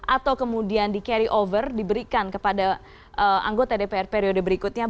atau kemudian di carry over diberikan kepada anggota dpr periode berikutnya